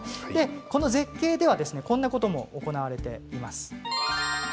この絶景ではこんなことも行われています。